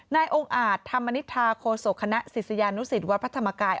นายองค์อาจธรรมนิษฐาโคศกคณะศิษยานุสิตวัดพระธรรมกาย